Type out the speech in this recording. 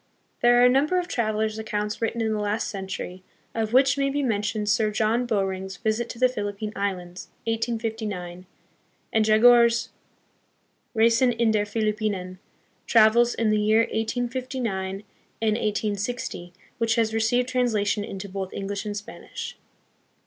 There are a number of travellers' accounts written in the last century, of which may be mentioned Sir John Bowring's Visit to the Philippine Islands, 1859, and Jagor's Reisen in der Philippinen, travels in the year 1859 and 1860, which has received translation into both English and Spanish.